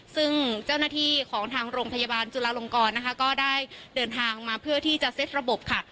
ซึ่งเจ้าหน้าที่ของทางโรงพยาบาลจุลาลงกรนะคะก็ได้เดินทางมาเพื่อที่จะเซ็ตระบบค่ะ